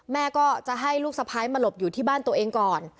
แม่ก็จะให้ลูกสะพ้ายมาหลบอยู่ที่บ้านตัวเองก่อน